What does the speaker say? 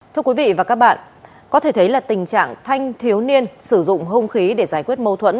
thưa quý vị và các bạn có thể thấy là tình trạng thanh thiếu niên sử dụng hung khí để giải quyết mâu thuẫn